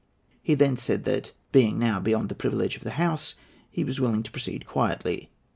He then said that, being now beyond the privilege of the House, he was willing to proceed quietly.